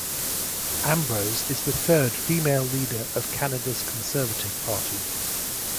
Ambrose is the third female leader of Canada's conservative party.